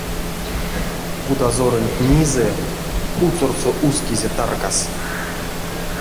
Кудазоронть низэ уцорсо ускизе таркас.